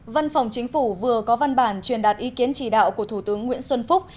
văn phòng chính phủ vừa có văn bản truyền đạt ý kiến chỉ đạo của thủ tướng nguyễn xuân phúc